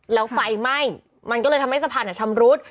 แล้วไฟไหม้มันก็เลยทำให้สะพานชำรุด